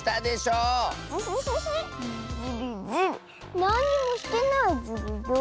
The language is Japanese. なんにもしてないズルよ。